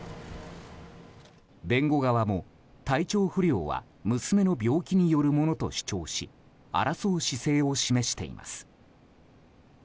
弁護側も、体調不良は娘の病気によるものと主張し争う姿勢を示しています。